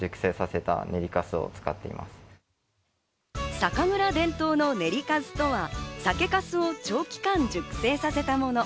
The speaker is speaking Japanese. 酒蔵伝統の練り粕とは、酒粕を長期間熟成させたもの。